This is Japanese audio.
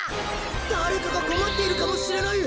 だれかがこまっているかもしれない。